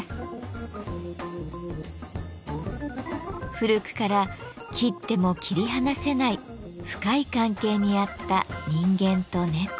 古くから切っても切り離せない深い関係にあった人間と猫。